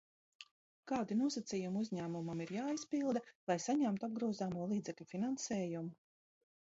Kādi nosacījumi uzņēmumam ir jāizpilda, lai saņemtu apgrozāmo līdzekļu finansējumu?